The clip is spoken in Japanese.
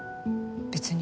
別に。